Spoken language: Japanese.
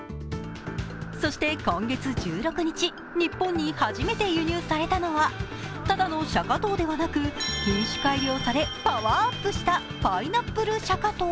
そして今月１６日日本に初めて輸入されたのはただのシャカトウではなく、品種改良されパワーアップしたパイナップルシャカトウ。